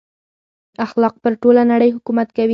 اخلاق پر ټوله نړۍ حکومت کوي.